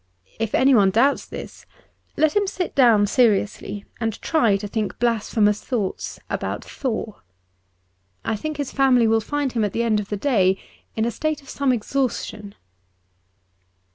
If anyone doubts this, let him sit down seriously and try to think blasphemous thoughts about Thor. I think his family will find him at the end of the day in a state of some exhaustion.